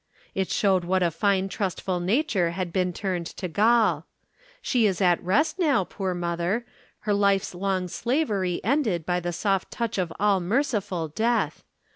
It showed what a fine trustful nature had been turned to gall. She is at rest now, poor mother, her life's long slavery ended by the soft touch of all merciful Death.